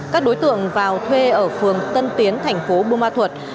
các đối tượng vào thuê ở phường tân tiến thành phố bù ma thuật